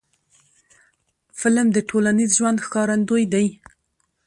فلم د ټولنیز ژوند ښکارندوی دی